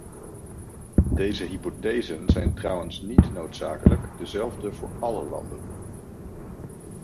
Deze hypothesen zijn trouwens niet noodzakelijk dezelfde voor alle landen.